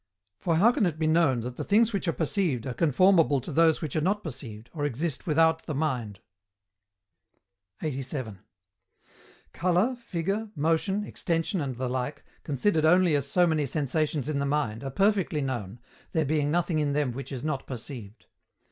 For how can it be known that the things which are perceived are conformable to those which are not perceived, or exist without the mind? 87. Colour, figure, motion, extension, and the like, considered only as so many sensations in the mind, are perfectly known, there being nothing in them which is not perceived.